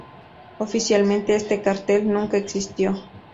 Oficialmente este cártel nunca existió.